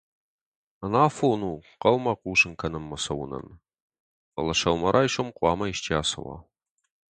Ӕнафон у хъӕумӕ хъусын кӕнынмӕ цӕуынӕн, фӕлӕ сӕумӕрайсом хъуамӕ исчи ацӕуа.